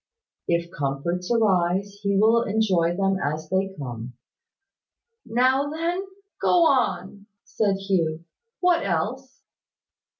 If comforts arise, he will enjoy them as they come." "Now then, go on," said Hugh. "What else?"